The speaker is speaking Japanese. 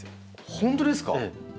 本当ですか？